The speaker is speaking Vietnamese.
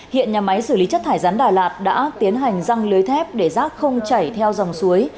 hiện nhà máy xử lý chất thải rắn đà lạt đã tiến hành răng lưới thép để rác không chảy theo dòng suối